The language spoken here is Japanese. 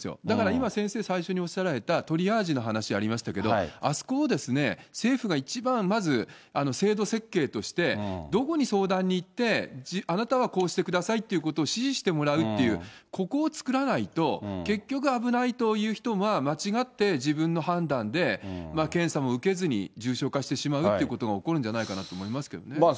だから今、先生最初におっしゃられたトリアージの話ありましたけど、あそこを政府が一番まず制度設計としてどこに相談に行って、あなたはこうしてくださいっていうことを指示してもらうっていう、ここを作らないと、結局、危ないという人は間違って自分の判断で検査も受けずに重症化してしまうってことが起こるんじゃないかと思いますけどね。